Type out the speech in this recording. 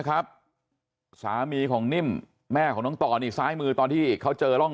ครับสามีของนิ่มแม่ของน้องต่อนี่ซ้ายมือตอนที่เขาเจอร่อง